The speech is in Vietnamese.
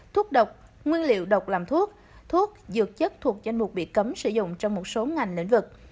thuốc độc nguyên liệu độc làm thuốc thuốc dược chất thuộc danh mục bị cấm sử dụng trong một số ngành lĩnh vực